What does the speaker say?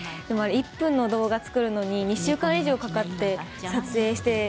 １分の動画を作るのに２週間以上かかって撮影して。